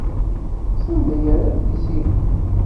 Sanda ay yerra adlis-inu?